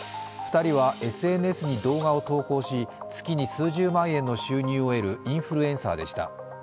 ２人は、ＳＮＳに動画を投稿し月に数十万円の収入を得るインフルエンサーでした。